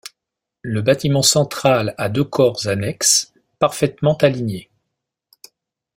Le bâtiment central a deux corps annexes, parfaitement alignés.